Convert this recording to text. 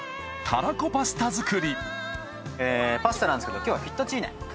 たらこパスタ作りパスタなんですけど今日はフェットチーネ。